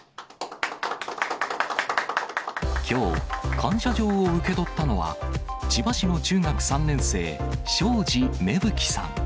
きょう、感謝状を受け取ったのは、千葉市の中学３年生、庄司翠さん。